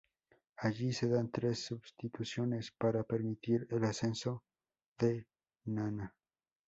Allí, se dan tres "sustituciones" para permitir el ascenso de Nanna.